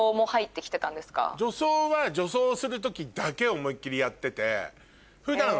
女装は女装する時だけ思いっ切りやってて。